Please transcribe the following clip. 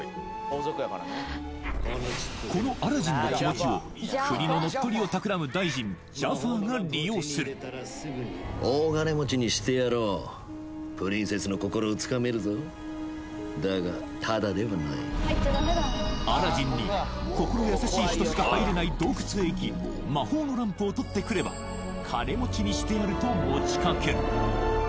このアラジンの気持ちをが利用する大金持ちにしてやろうプリンセスの心をつかめるぞだがタダではないアラジンに心優しい人しか入れない洞窟へ行き魔法のランプを取ってくれば金持ちにしてやると持ちかける